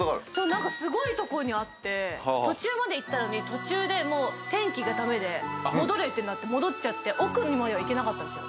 何かすごいとこにあって途中まで行ったのに途中でもう天気が駄目で戻れってなって戻っちゃって奥にまでは行けなかったんですよ。